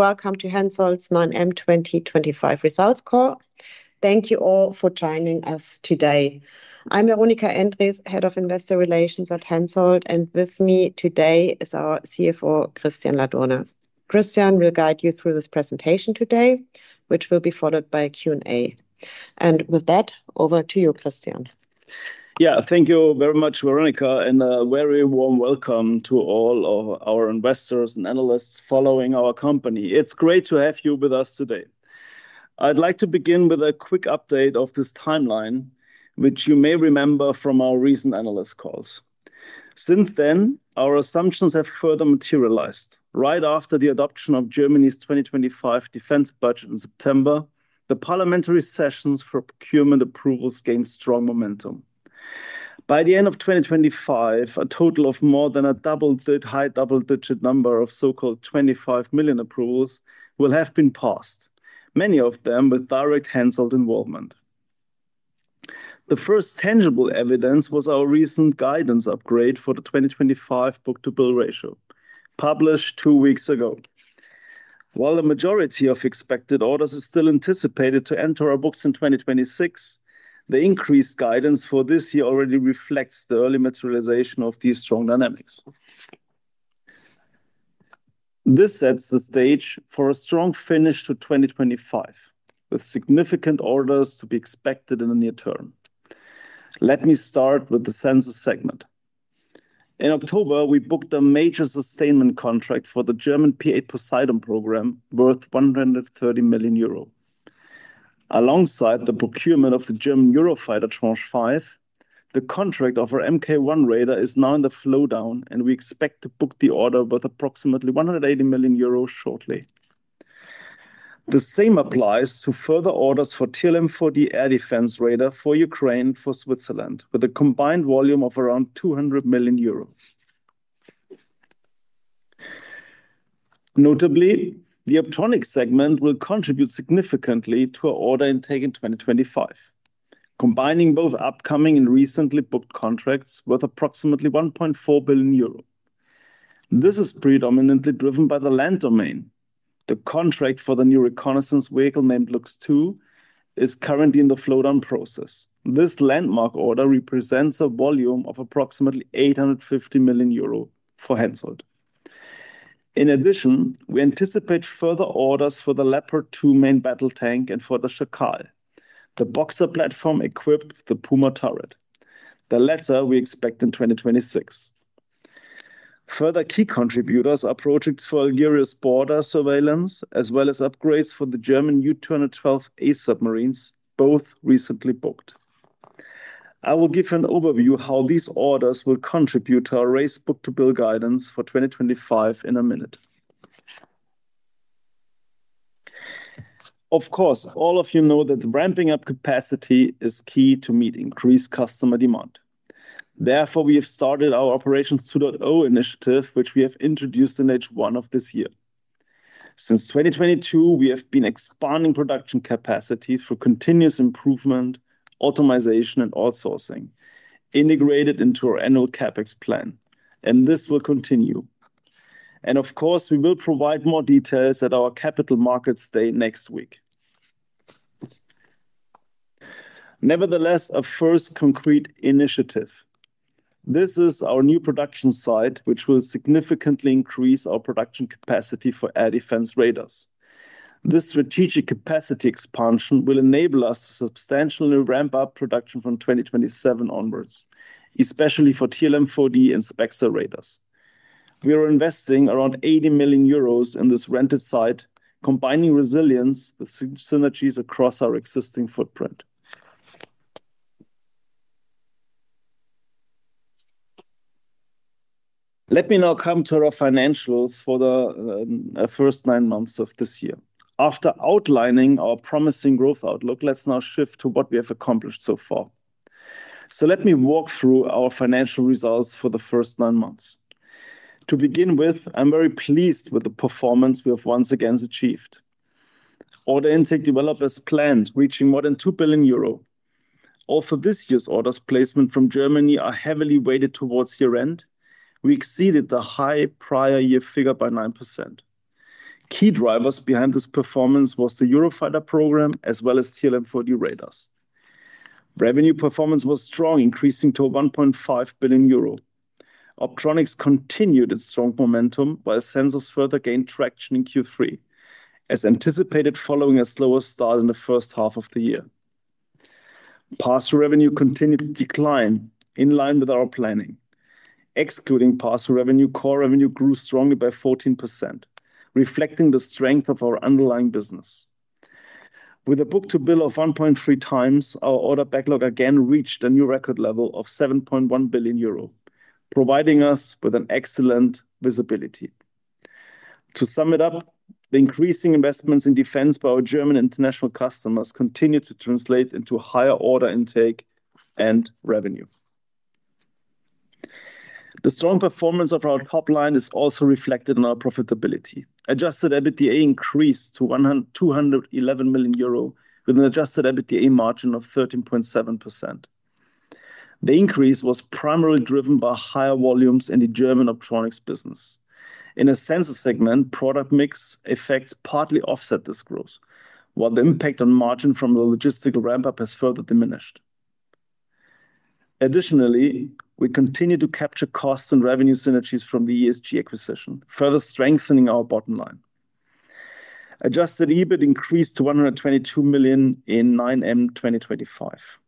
Welcome to Hensoldt's 9M 2025 results call. Thank you all for joining us today. I'm Veronika Endres, Head of Investor Relations at Hensoldt, and with me today is our CFO, Christian Ladurner. Christian will guide you through this presentation today, which will be followed by a Q&A. With that, over to you, Christian. Yeah, thank you very much, Veronika, and a very warm welcome to all of our investors and analysts following our company. It's great to have you with us today. I'd like to begin with a quick update of this timeline, which you may remember from our recent analyst calls. Since then, our assumptions have further materialized. Right after the adoption of Germany's 2025 defense budget in September, the parliamentary sessions for procurement approvals gained strong momentum. By the end of 2025, a total of more than a high double-digit number of so-called 25 million approvals will have been passed, many of them with direct Hensoldt involvement. The first tangible evidence was our recent guidance upgrade for the 2025 book-to-bill ratio, published two weeks ago. While a majority of expected orders are still anticipated to enter our books in 2026, the increased guidance for this year already reflects the early materialization of these strong dynamics. This sets the stage for a strong finish to 2025, with significant orders to be expected in the near term. Let me start with the Sensors segment. In October, we booked a major sustainment contract for the German P-8 Poseidon program, worth 130 million euro. Alongside the procurement of the German Eurofighter Tranche 5, the contract of our Mk1 radar is now in the flow down, and we expect to book the order worth approximately 180 million euros shortly. The same applies to further orders for TRML-4D air defense radar for Ukraine and for Switzerland, with a combined volume of around 200 million euros. Notably, the Optronics segment will contribute significantly to our order intake in 2025, combining both upcoming and recently booked contracts worth approximately 1.4 billion euro. This is predominantly driven by the land domain. The contract for the new reconnaissance vehicle named Luchs II is currently in the flow-down process. This landmark order represents a volume of approximately 850 million euro for Hensoldt. In addition, we anticipate further orders for the Leopard 2 main battle tank and for the Schakal, the Boxer platform equipped with the Puma turret. The latter we expect in 2026. Further key contributors are projects for Algeria's border surveillance, as well as upgrades for the German U212A submarines, both recently booked. I will give an overview of how these orders will contribute to our raised book-to-bill guidance for 2025 in a minute. Of course, all of you know that ramping up capacity is key to meet increased customer demand. Therefore, we have started our Operations 2.0 initiative, which we have introduced in H1 of this year. Since 2022, we have been expanding production capacity for continuous improvement, optimization, and outsourcing integrated into our annual CapEx plan, and this will continue. We will provide more details at our Capital Markets Day next week. Nevertheless, a first concrete initiative. This is our new production site, which will significantly increase our production capacity for air defense radars. This strategic capacity expansion will enable us to substantially ramp up production from 2027 onwards, especially for TRML-4D and Spexer radars. We are investing around 80 million euros in this rented site, combining resilience with synergies across our existing footprint. Let me now come to our financials for the first nine months of this year. After outlining our promising growth outlook, let's now shift to what we have accomplished so far. Let me walk through our financial results for the first nine months. To begin with, I'm very pleased with the performance we have once again achieved. Order intake developed as planned, reaching more than 2 billion euro. Although this year's orders placement from Germany are heavily weighted towards year-end, we exceeded the high prior year figure by 9%. Key drivers behind this performance were the Eurofighter program as well as TRML-4D radars. Revenue performance was strong, increasing to 1.5 billion euro. Optronics continued its strong momentum, while Sensors further gained traction in Q3, as anticipated following a slower start in the first half of the year. Parcel revenue continued to decline in line with our planning. Excluding parcel revenue, core revenue grew strongly by 14%, reflecting the strength of our underlying business. With a book-to-bill of 1.3x, our order backlog again reached a new record level of 7.1 billion euro, providing us with excellent visibility. To sum it up, the increasing investments in defense by our German international customers continue to translate into higher order intake and revenue. The strong performance of our top line is also reflected in our profitability. Adjusted EBITDA increased to 211 million euro with an adjusted EBITDA margin of 13.7%. The increase was primarily driven by higher volumes in the German Optronics business. In a Sensors segment, product mix effects partly offset this growth, while the impact on margin from the logistical ramp-up has further diminished. Additionally, we continue to capture costs and revenue synergies from the ESG acquisition, further strengthening our bottom line. Adjusted EBIT increased to 122 million in 9M 2025.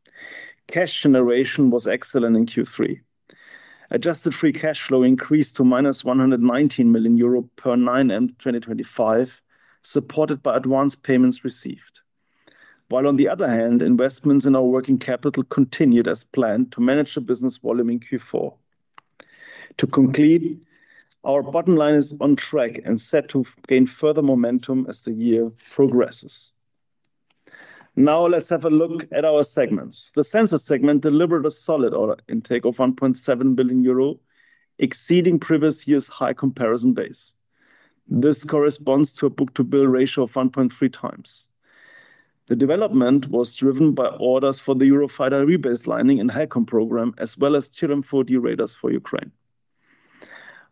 Cash generation was excellent in Q3. Adjusted free cash flow increased to -119 million euro per 9M 2025, supported by advance payments received. While on the other hand, investments in our working capital continued as planned to manage the business volume in Q4. To conclude, our bottom line is on track and set to gain further momentum as the year progresses. Now let's have a look at our segments. The Sensors segment delivered a solid order intake of 1.7 billion euro, exceeding previous year's high comparison base. This corresponds to a book-to-bill ratio of 1.3x. The development was driven by orders for the Eurofighter rebaselining and Helcom program, as well as TRML-4D radars for Ukraine.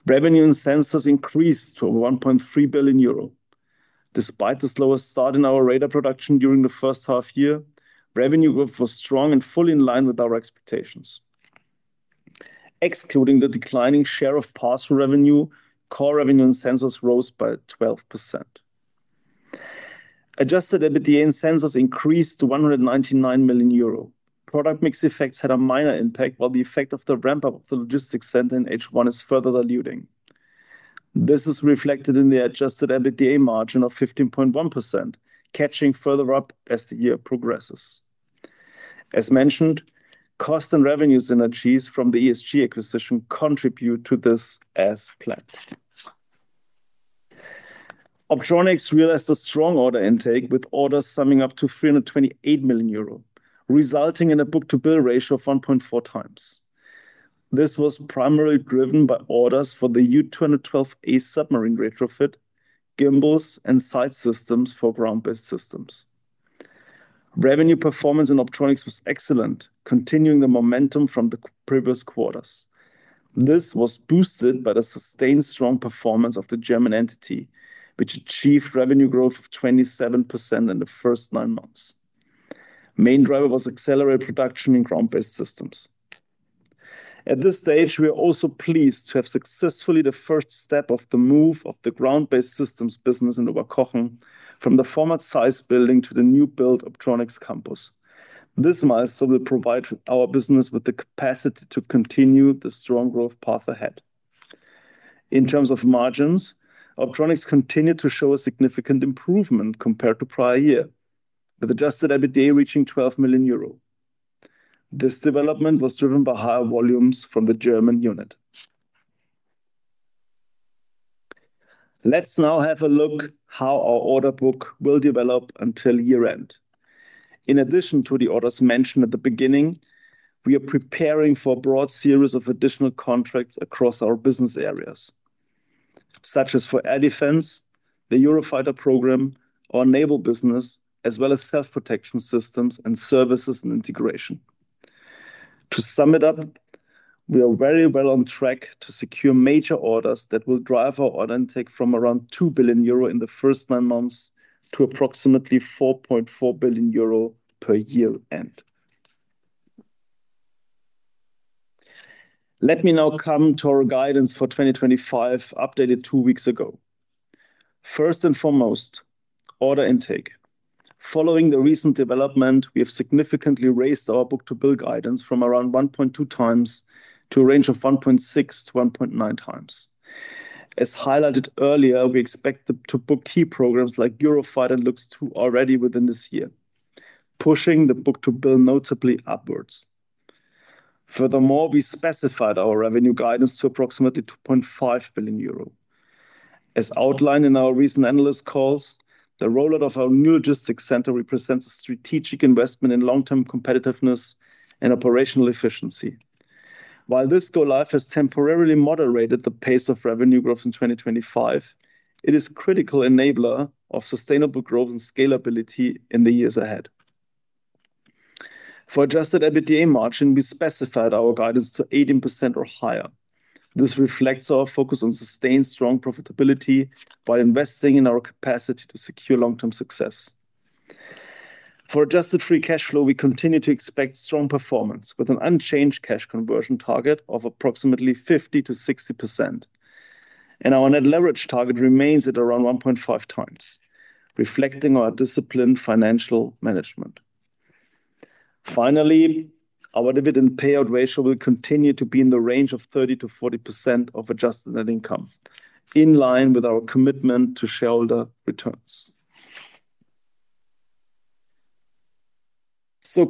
Revenue in Sensors increased to 1.3 billion euro. Despite the slower start in our radar production during the first half year, revenue growth was strong and fully in line with our expectations. Excluding the declining share of parcel revenue, core revenue in Sensors rose by 12%. Adjusted EBITDA in Sensors increased to 199 million euro. Product mix effects had a minor impact, while the effect of the ramp-up of the logistics center in H1 is further diluting. This is reflected in the adjusted EBITDA margin of 15.1%, catching further up as the year progresses. As mentioned, cost and revenue synergies from the ESG acquisition contribute to this as planned. Optronics realized a strong order intake with orders summing up to 328 million euro, resulting in a book-to-bill ratio of 1.4x. This was primarily driven by orders for the U212A submarine retrofit, gimbals, and sight systems for ground-based systems. Revenue performance in Optronics was excellent, continuing the momentum from the previous quarters. This was boosted by the sustained strong performance of the German entity, which achieved revenue growth of 27% in the first nine months. Main driver was accelerated production in ground-based systems. At this stage, we are also pleased to have successfully completed the first step of the move of the ground-based systems business in Oberkochen, from the former Zeiss building to the new-built Optronics campus. This milestone will provide our business with the capacity to continue the strong growth path ahead. In terms of margins, Optronics continued to show a significant improvement compared to prior year, with adjusted EBITDA reaching 12 million euro. This development was driven by higher volumes from the German unit. Let's now have a look at how our order book will develop until year-end. In addition to the orders mentioned at the beginning, we are preparing for a broad series of additional contracts across our business areas, such as for air defense, the Eurofighter program, our naval business, as well as self-protection systems and services and integration. To sum it up, we are very well on track to secure major orders that will drive our order intake from around 2 billion euro in the first nine months to approximately 4.4 billion euro per year-end. Let me now come to our guidance for 2025, updated two weeks ago. First and foremost, order intake. Following the recent development, we have significantly raised our book-to-bill guidance from around 1.2x to a range of 1.6-1.9 times. As highlighted earlier, we expect to book key programs like Eurofighter and Luchs II already within this year, pushing the book-to-bill notably upwards. Furthermore, we specified our revenue guidance to approximately 2.5 billion euro. As outlined in our recent analyst calls, the rollout of our new logistics center represents a strategic investment in long-term competitiveness and operational efficiency. While this go live has temporarily moderated the pace of revenue growth in 2025, it is a critical enabler of sustainable growth and scalability in the years ahead. For adjusted EBITDA margin, we specified our guidance to 18% or higher. This reflects our focus on sustained strong profitability while investing in our capacity to secure long-term success. For adjusted free cash flow, we continue to expect strong performance with an unchanged cash conversion target of approximately 50%-60%, and our net leverage target remains at around 1.5x, reflecting our disciplined financial management. Finally, our dividend payout ratio will continue to be in the range of 30%-40% of adjusted net income, in line with our commitment to shareholder returns.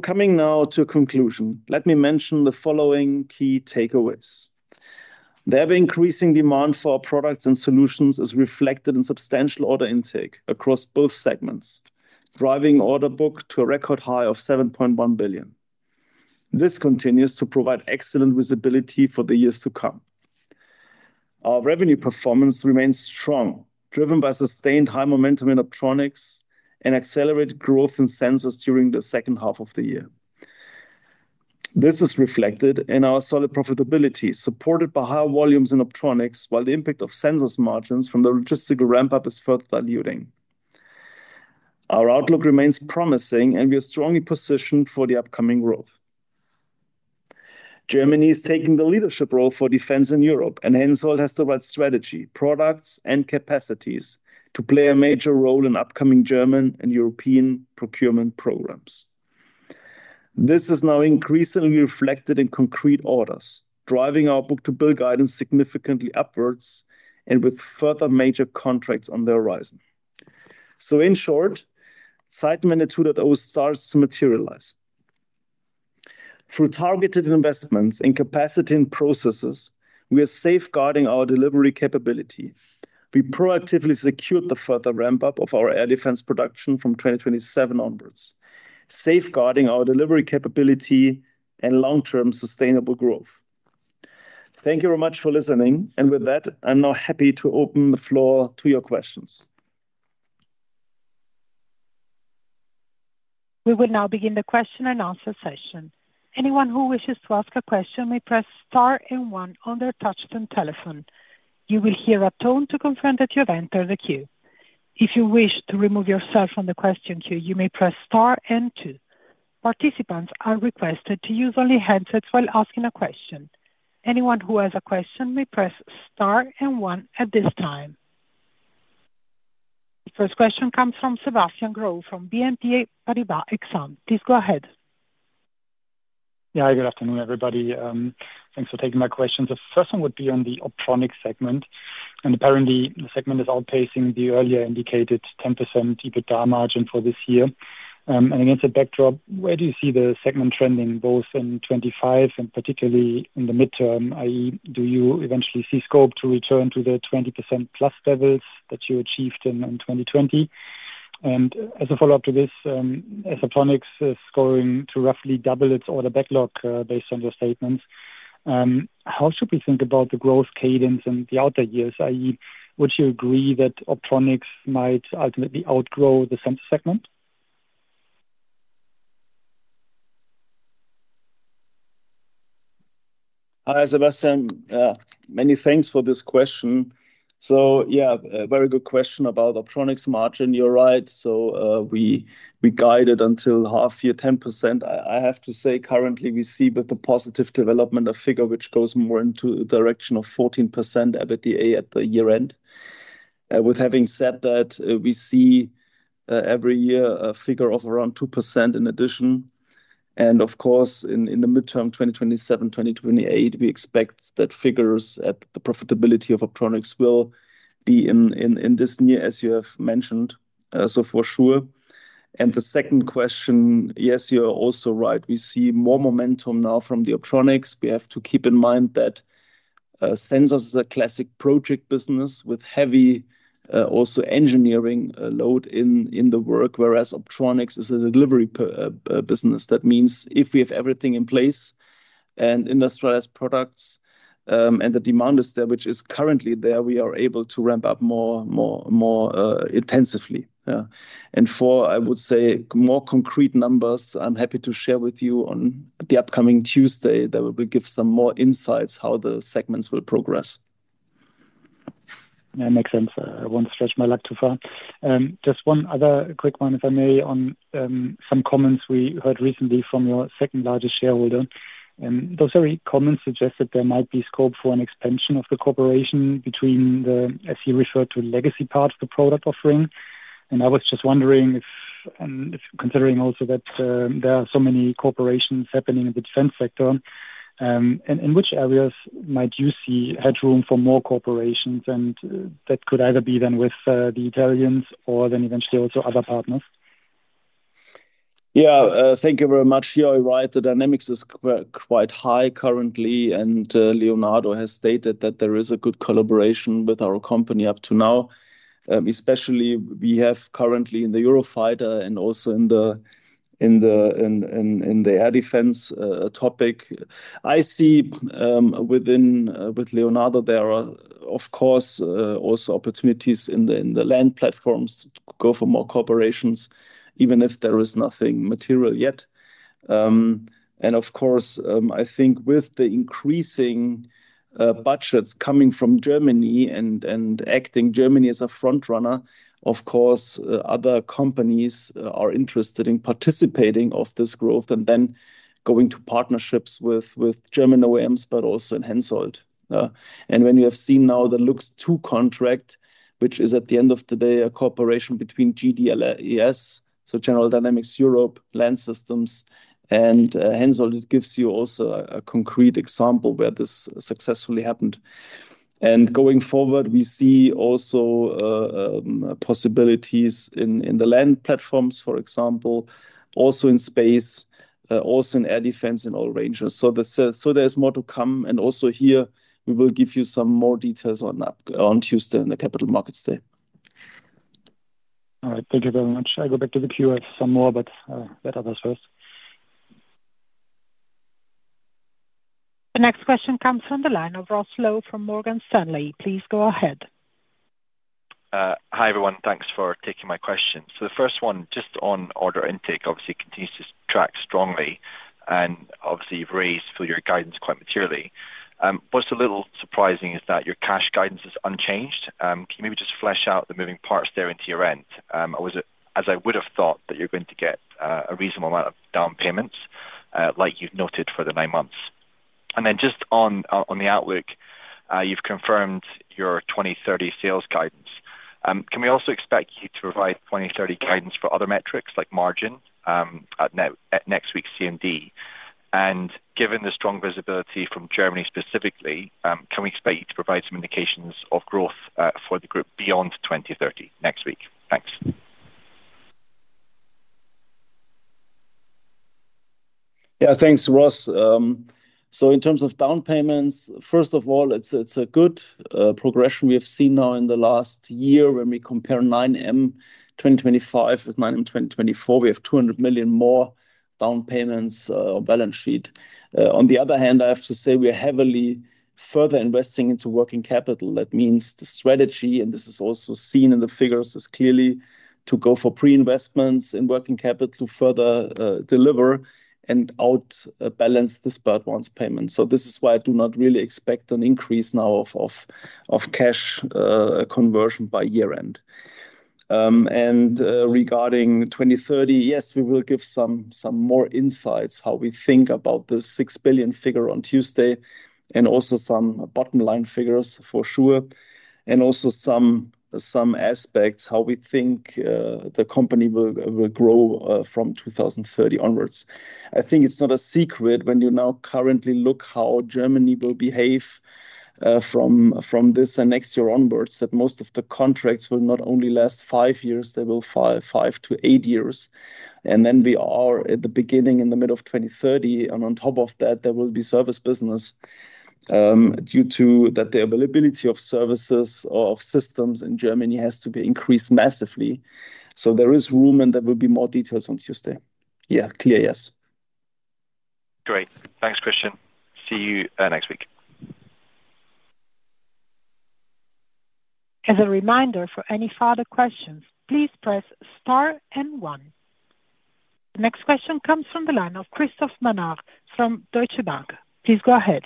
Coming now to a conclusion, let me mention the following key takeaways. The ever-increasing demand for our products and solutions is reflected in substantial order intake across both segments, driving order book to a record high of 7.1 billion. This continues to provide excellent visibility for the years to come. Our revenue performance remains strong, driven by sustained high momentum in Optronics and accelerated growth in Sensors during the second half of the year. This is reflected in our solid profitability, supported by higher volumes in Optronics, while the impact of Sensors margins from the logistical ramp-up is further diluting. Our outlook remains promising, and we are strongly positioned for the upcoming growth. Germany is taking the leadership role for defense in Europe, and Hensoldt has the right strategy, products, and capacities to play a major role in upcoming German and European procurement programs. This is now increasingly reflected in concrete orders, driving our book-to-bill guidance significantly upwards and with further major contracts on the horizon. In short, Zeitenwende 2.0 starts to materialize. Through targeted investments in capacity and processes, we are safeguarding our delivery capability. We proactively secured the further ramp-up of our air defense production from 2027 onwards, safeguarding our delivery capability and long-term sustainable growth. Thank you very much for listening, and with that, I'm now happy to open the floor to your questions. We will now begin the question and answer session. Anyone who wishes to ask a question may press star and one on their touchscreen telephone. You will hear a tone to confirm that you have entered the queue. If you wish to remove yourself from the question queue, you may press star and two. Participants are requested to use only headsets while asking a question. Anyone who has a question may press star and one at this time. The first question comes from Sebastian Growe from BNP Paribas Exane. Please go ahead. Yeah, good afternoon, everybody. Thanks for taking my questions. The first one would be on the Optronics segment, and apparently the segment is outpacing the earlier indicated 10% EBITDA margin for this year. Against that backdrop, where do you see the segment trending, both in 2025 and particularly in the midterm? I.e., do you eventually see scope to return to the 20%+ levels that you achieved in 2020? As a follow-up to this, as Optronics is going to roughly double its order backlog based on your statements, how should we think about the growth cadence in the outer years? I.e., would you agree that Optronics might ultimately outgrow the Sensors segment? Hi, Sebastian. Many thanks for this question. Yeah, very good question about Optronics margin. You're right. We guided until half year, 10%. I have to say currently we see with the positive development a figure which goes more into the direction of 14% EBITDA at the year-end. Having said that, we see every year a figure of around 2% in addition. Of course, in the midterm 2027-2028, we expect that figures at the profitability of Optronics will be in this near as you have mentioned, for sure. The second question, yes, you are also right. We see more momentum now from the Optronics. We have to keep in mind that Sensors is a classic project business with heavy also engineering load in the work, whereas Optronics is a delivery business. That means if we have everything in place and industrialized products and the demand is there, which is currently there, we are able to ramp up more intensively. For, I would say, more concrete numbers, I'm happy to share with you on the upcoming Tuesday that will give some more insights how the segments will progress. Yeah, makes sense. I won't stretch my leg too far. Just one other quick one, if I may, on some comments we heard recently from your second largest shareholder. Those very comments suggest that there might be scope for an expansion of the cooperation between, as you referred to, the legacy part of the product offering. I was just wondering if, considering also that there are so many collaborations happening in the defense sector, in which areas might you see headroom for more collaborations? That could either be then with the Italians or eventually also other partners. Thank you very much. Yeah, you're right. The dynamics is quite high currently, and Leonardo has stated that there is a good collaboration with our company up to now, especially we have currently in the Eurofighter and also in the air defense topic. I see with Leonardo there are, of course, also opportunities in the land platforms to go for more collaborations, even if there is nothing material yet. Of course, I think with the increasing budgets coming from Germany and acting Germany as a frontrunner, other companies are interested in participating in this growth and then going to partnerships with German OEMs, but also in Hensoldt. When you have seen now the Luchs II contract, which is at the end of the day a cooperation between GDELS, so General Dynamics European Land Systems, and Hensoldt, it gives you also a concrete example where this successfully happened. Going forward, we see also possibilities in the land platforms, for example, also in space, also in air defense in all ranges. There is more to come. Here, we will give you some more details on Tuesday in the Capital Markets Day. All right, thank you very much. I'll go back to the queue with some more, but let others first. The next question comes from the line of Ross Law from Morgan Stanley. Please go ahead. Hi everyone, thanks for taking my question. The first one, just on order intake, obviously continues to track strongly and obviously raised for your guidance quite materially. What's a little surprising is that your cash guidance is unchanged. Can you maybe just flesh out the moving parts there into year-end? As I would have thought that you're going to get a reasonable amount of down payments like you've noted for the nine months. Just on the outlook, you've confirmed your 2030 sales guidance. Can we also expect you to provide 2030 guidance for other metrics like margin at next week's CMD? Given the strong visibility from Germany specifically, can we expect you to provide some indications of growth for the group beyond 2030 next week? Thanks. Yeah, thanks, Ross. In terms of down payments, first of all, it's a good progression we have seen now in the last year when we compare 9M 2025 with 9M 2024. We have 200 million more down payments on balance sheet. On the other hand, I have to say we are heavily further investing into working capital. That means the strategy, and this is also seen in the figures, is clearly to go for pre-investments in working capital to further deliver and outbalance this bird once payment. This is why I do not really expect an increase now of cash conversion by year-end. Regarding 2030, yes, we will give some more insights how we think about the 6 billion figure on Tuesday and also some bottom line figures for sure, and also some aspects how we think the company will grow from 2030 onwards. I think it's not a secret when you now currently look how Germany will behave from this and next year onwards that most of the contracts will not only last five years, they will file five to eight years. And then we are at the beginning in the middle of 2030, and on top of that, there will be service business due to that the availability of services or of systems in Germany has to be increased massively. So there is room and there will be more details on Tuesday.. Yeah, clear, yes. Great. Thanks, Christian. See you next week. As a reminder, for any further questions, please press star and one. The next question comes from the line of Christoph Mannauer from Deutsche Bank. Please go ahead.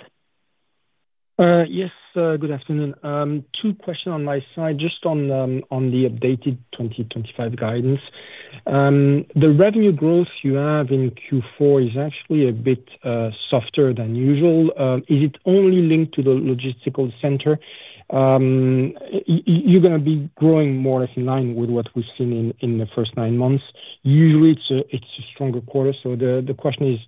Yes, good afternoon. Two questions on my side, just on the updated 2025 guidance. The revenue growth you have in Q4 is actually a bit softer than usual. Is it only linked to the logistics center? You're going to be growing more in line with what we've seen in the first nine months. Usually, it's a stronger quarter. The question is,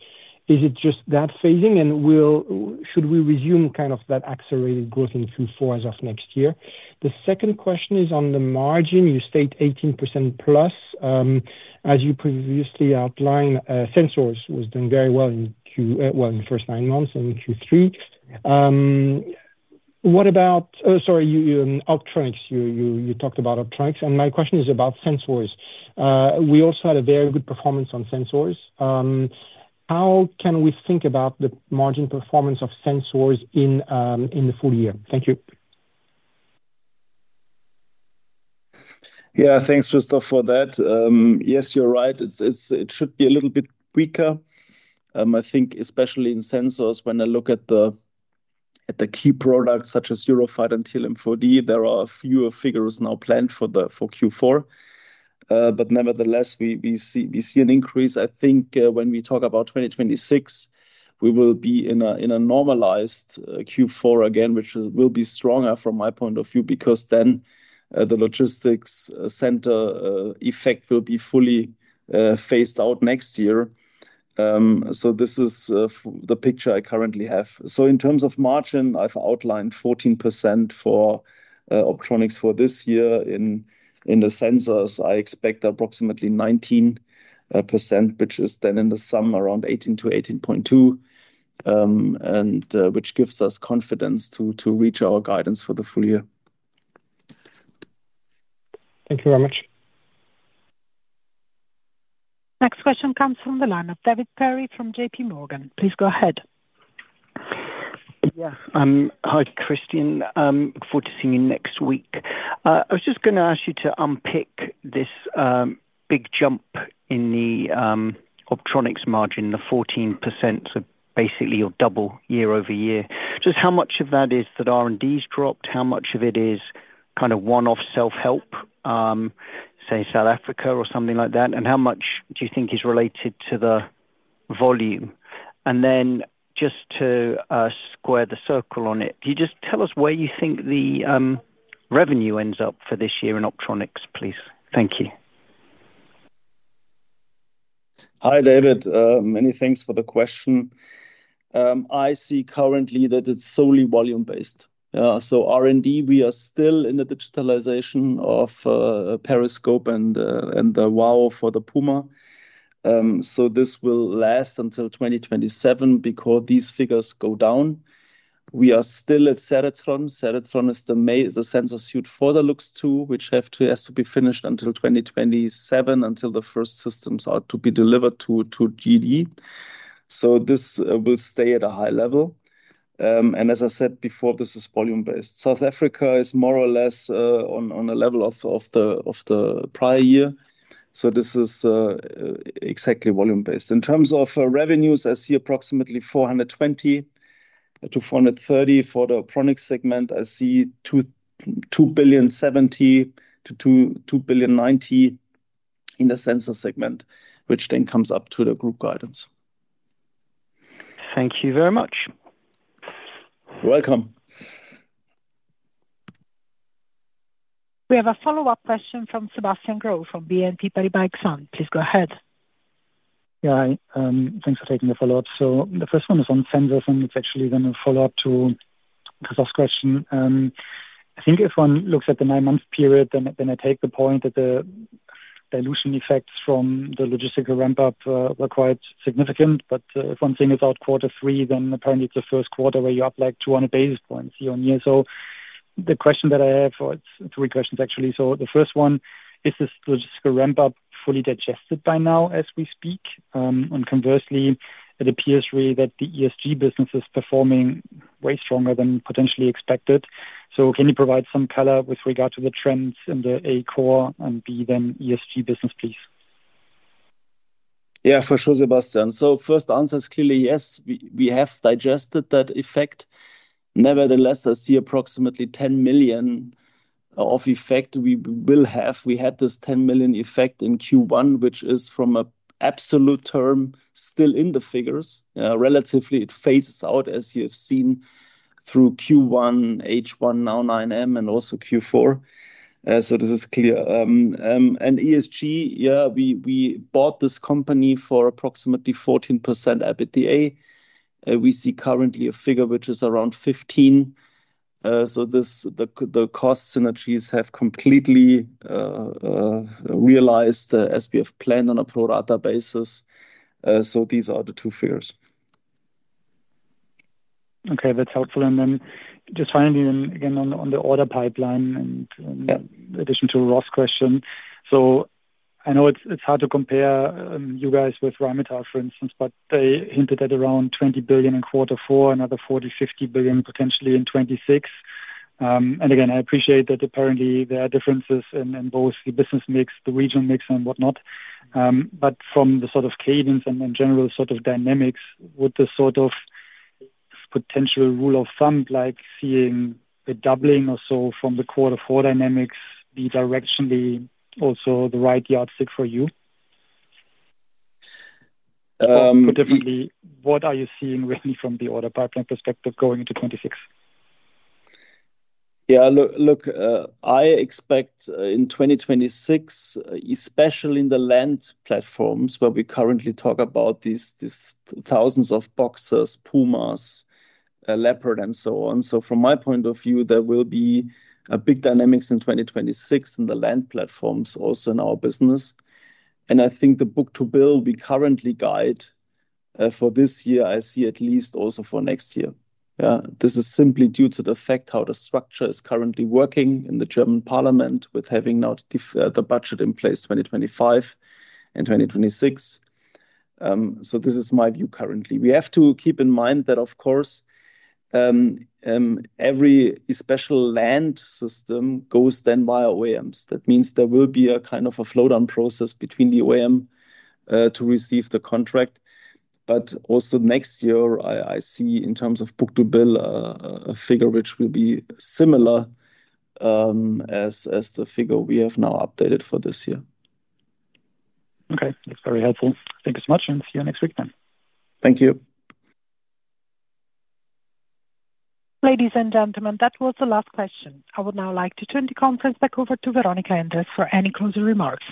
is it just that phasing and should we resume kind of that accelerated growth in Q4 as of next year? The second question is on the margin. You state 18%+. As you previously outlined, Sensors was doing very well in Q1, in the first nine months and in Q3. What about, sorry, Optronics? You talked about Optronics, and my question is about Sensors. We also had a very good performance on Sensors. How can we think about the margin performance of Sensors in the full year? Thank you. Yeah, thanks, Christoph, for that. Yes, you're right. It should be a little bit weaker. I think especially in Sensors, when I look at the key products such as Eurofighter and TRML-4D, there are fewer figures now planned for Q4. Nevertheless, we see an increase. I think when we talk about 2026, we will be in a normalized Q4 again, which will be stronger from my point of view because then the logistics center effect will be fully phased out next year. This is the picture I currently have. In terms of margin, I have outlined 14% for Optronics for this year. In Sensors, I expect approximately 19%, which is then in the sum around 18%-18.2%, and which gives us confidence to reach our guidance for the full year. Thank you very much. Next question comes from the line of David Perry from JPMorgan. Please go ahead. Yeah, hi, Christian. Look forward to seeing you next week. I was just going to ask you to unpick this big jump in the Optronics margin, the 14%, so basically you are double year-over-year. Just how much of that is that R&D has dropped? How much of it is kind of one-off self-help, say, South Africa or something like that? How much do you think is related to the volume? Just to square the circle on it, can you just tell us where you think the revenue ends up for this year in Optronics, please? Thank you. Hi, David. Many thanks for the question. I see currently that it is solely volume-based. R&D, we are still in the digitalization of periscope and the WAO for the Puma. This will last until 2027 because these figures go down. We are still at Ceretron. Ceretron is the sensor suite for the Luchs II, which has to be finished until 2027 until the first systems are to be delivered to GD. This will stay at a high level. As I said before, this is volume-based. South Africa is more or less on a level of the prior year. This is exactly volume-based. In terms of revenues, I see approximately 420 million-430 million for the Optronics segment. I see 2.07 billion-2.09 billion in the Sensors segment, which then comes up to the group guidance. Thank you very much. You're welcome. We have a follow-up question from Sebastian Growe from BNP Paribas Exane. Please go ahead. Yeah, thanks for taking the follow-up. The first one is on Sensors, and it's actually going to follow up to Christoph's question. I think if one looks at the nine-month period, then I take the point that the dilution effects from the logistical ramp-up were quite significant. If one thinks about quarter three, then apparently it is the first quarter where you are up like 200 basis points year-on-year. The question that I have, or it is three questions actually. The first one, is this logistical ramp-up fully digested by now as we speak? Conversely, it appears really that the ESG business is performing way stronger than potentially expected. Can you provide some color with regard to the trends in the A-core and B then ESG business, please? Yeah, for sure, Sebastian. First answer is clearly yes, we have digested that effect. Nevertheless, I see approximately 10 million of effect we will have. We had this 10 million effect in Q1, which is from an absolute term still in the figures. Relatively, it phases out as you have seen through Q1, H1, now 9M, and also Q4. This is clear. And ESG, yeah, we bought this company for approximately 14% EBITDA. We see currently a figure which is around 15%. The cost synergies have completely realized as we have planned on a pro-rata basis. These are the two figures. Okay, that's helpful. And then just finally, then again on the order pipeline and in addition to Ross' question. I know it's hard to compare you guys with Rheinmetall, for instance, but they hinted at around 20 billion in Q4, another 40 billion-50 billion potentially in 2026. I appreciate that apparently there are differences in both the business mix, the regional mix, and whatnot. From the sort of cadence and general sort of dynamics, would the sort of potential rule of thumb like seeing a doubling or so from the quarter four dynamics be directionally also the right yardstick for you? Put differently, what are you seeing really from the order pipeline perspective going into 2026? Yeah, look, I expect in 2026, especially in the land platforms where we currently talk about these thousands of Boxers, Pumas, Leopard, and so on. From my point of view, there will be big dynamics in 2026 in the land platforms, also in our business. I think the book-to-bill we currently guide for this year, I see at least also for next year. This is simply due to the fact how the structure is currently working in the German parliament with having now the budget in place 2025 and 2026. This is my view currently. We have to keep in mind that, of course, every special land system goes then via OEMs. That means there will be a kind of a slowdown process between the OEM to receive the contract. Also, next year, I see in terms of book-to-bill a figure which will be similar as the figure we have now updated for this year. Okay, that's very helpful. Thank you so much, and see you next week then. Thank you. Ladies and gentlemen, that was the last question. I would now like to turn the conference back over to Veronika Endres for any closing remarks.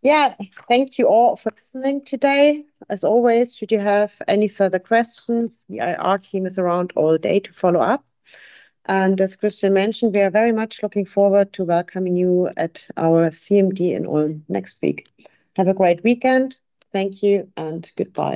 Yeah, thank you all for listening today. As always, should you have any further questions, the IR Team is around all day to follow up. As Christian mentioned, we are very much looking forward to welcoming you at our CMD in Ulm next week. Have a great weekend. Thank you and goodbye.